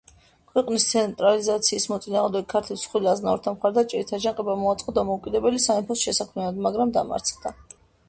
ქვეყნის ცენტრალიზაციის მოწინააღმდეგე ქართლის მსხვილ აზნაურთა მხარდაჭერით აჯანყება მოაწყო დამოუკიდებელი სამეფოს შესაქმნელად, მაგრამ დამარცხდა.